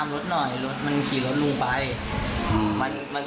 อันนั้นทำไมถึงล้ม